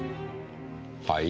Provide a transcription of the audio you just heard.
はい？